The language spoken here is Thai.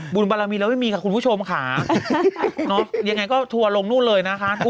บารมีแล้วไม่มีค่ะคุณผู้ชมค่ะเนาะยังไงก็ทัวร์ลงนู่นเลยนะคะ